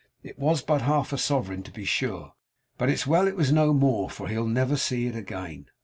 It was but half a sovereign, to be sure; but it's well it was no more, for he'll never see it again.